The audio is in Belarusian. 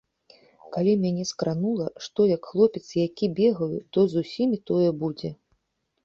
Калі мяне скранула, што, як хлопец які, бегаю, то і з усімі тое будзе.